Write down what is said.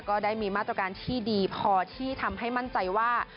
ก็ได้มีมาตรการที่ดีพอที่ทำให้มั่นใจว่า